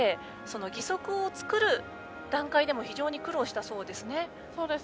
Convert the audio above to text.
義足を作る段階でも非常に苦労したそうですね。